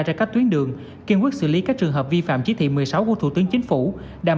ra các tuyến đường kiên quyết xử lý các trường hợp vi phạm chỉ thị một mươi sáu của thủ tướng chính phủ đảm